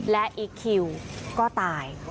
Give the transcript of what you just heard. และอีกคิวก็ตาย